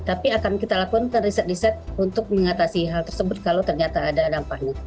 tapi akan kita lakukan riset riset untuk mengatasi hal tersebut kalau ternyata ada dampaknya